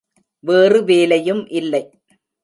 வேறு வேலையும் இல்லை.